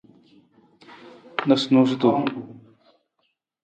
Noosunoosutu.